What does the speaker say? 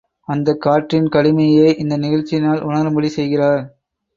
அந்தக் காற்றின் கடுமையை இந்த நிகழ்ச்சியினால் உணரும்படி செய்கிறார்.